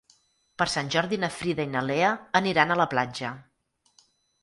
Per Sant Jordi na Frida i na Lea aniran a la platja.